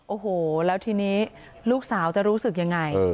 โอ้โหแล้วทีนี้ลูกสาวจะรู้สึกยังไง